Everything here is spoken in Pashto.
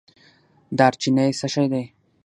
دارچینی څه شی دی؟